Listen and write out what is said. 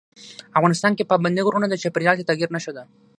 افغانستان کې پابندي غرونه د چاپېریال د تغیر نښه ده.